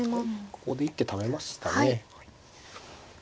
ここで一手ためましたね。